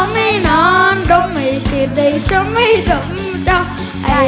อ้อไม่นอนดมไอ้เชียดใดช่วงไม่ดมเจ้าไอ้ออดใด